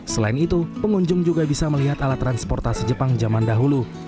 selain itu pengunjung juga bisa melihat alat transportasi jepang zaman dahulu